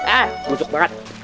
eh bujuk banget